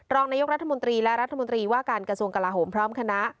รองนายกรัฐมนตรีและรัฐมนตรีว่าการกระทรวงกลาโหมพร้อมคณะ